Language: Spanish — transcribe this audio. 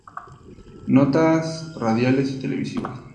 Notas radiales y televisivas